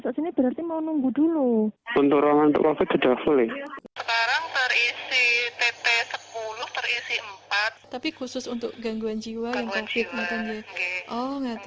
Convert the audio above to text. di upt masih ada yang belum bisa masuk pasti penuh donald atau infot lime banget